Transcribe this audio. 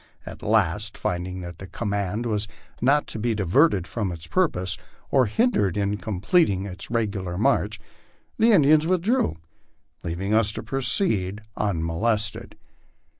At last, finding that the com mand was not to be diverted from its purpose, or hindered in completing its regular march, the Indians withdrew, leaving us to proceed unmolested.